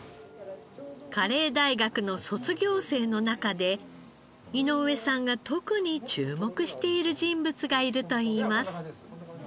カレー大學の卒業生の中で井上さんが特に注目している人物がいるといいます。